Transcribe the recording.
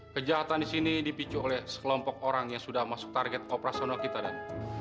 kejahatan di sini dipicu oleh sekelompok orang yang sudah masuk target operasional kita dan